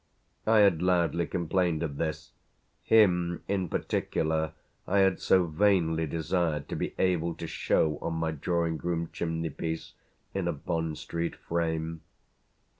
I had loudly complained of this; him in particular I had so vainly desired to be able to show on my drawing room chimney piece in a Bond Street frame.